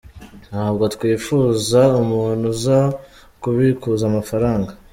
Ntabwo twifuza umuntu uza kubikuza amafaranga.